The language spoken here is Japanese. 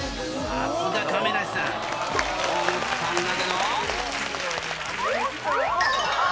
さすが亀梨さん、と思ったんだけど。